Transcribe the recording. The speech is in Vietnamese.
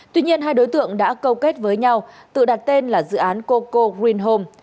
tuy nhiên hai đối tượng đã câu kết với nhau tự đặt tên là dự án coco green home